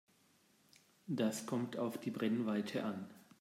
Das kommt auf die Brennweite an.